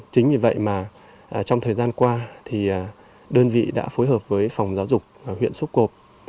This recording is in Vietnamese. chính vì vậy mà trong thời gian qua thì đơn vị đã phối hợp với phòng giáo dục huyện sốp cộp